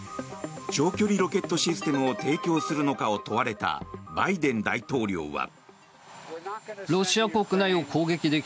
長距離ロケットシステムを提供するのかを問われたバイデン大統領は。